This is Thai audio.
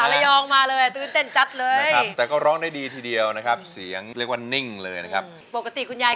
เอ้ยบาไงอื้มแหมบาไงเสียวาก็บาไงบางทีคุณยาย